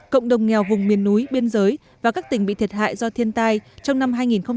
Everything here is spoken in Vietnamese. cộng đồng nghèo vùng miền núi biên giới và các tỉnh bị thiệt hại do thiên tai trong năm hai nghìn một mươi chín hai nghìn hai mươi